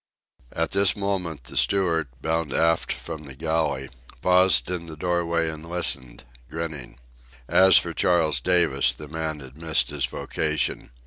At this moment the steward, bound aft from the galley, paused in the doorway and listened, grinning. As for Charles Davis, the man had missed his vocation.